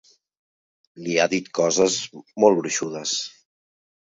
Li ha dit coses molt gruixudes.